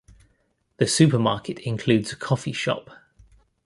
The supermarket includes a coffee shop.